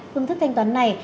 phương thức thanh toán này